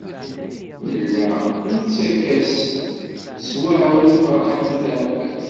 Nella nettakf-as s weɛrur i Ferḥat n At Ɛebbas.